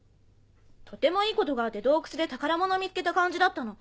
とてもいいことがあって洞窟で宝物を見つけた感じだったの。